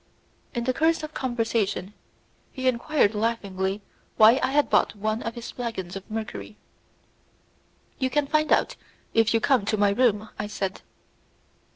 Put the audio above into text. In the course of conversation he inquired laughingly why I had bought one of his flagons of mercury. "You can find out if you come to my room," I said.